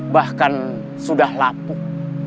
bahkan sudah lapuh